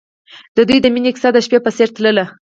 د دوی د مینې کیسه د شپه په څېر تلله.